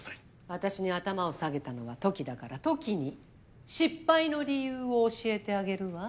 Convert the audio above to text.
私に頭を下げたのは土岐だから土岐に失敗の理由を教えてあげるわ。